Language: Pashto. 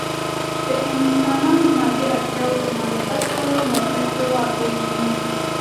د انسانانو مادي اړتیاوې د معرفت په مرکز کې واقع شي.